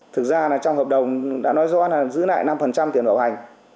thực ra là trong hợp đồng đã nói rõ là giữ lại năm tiền bảo hành